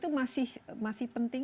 itu masih penting